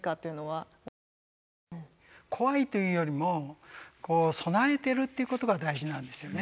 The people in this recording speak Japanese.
怖いというよりも備えてるということが大事なんですよね。